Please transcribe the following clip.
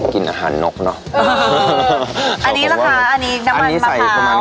กินอาหารนกเนอะอันนี้นะคะอันนี้น้ำมันมะพร้าวอันนี้ใส่ประมาณ